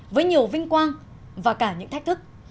với nhiều vinh quang và cả những thách thức